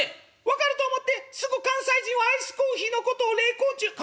「分かると思ってすぐ関西人はアイスコーヒーのことを冷コーっちゅう。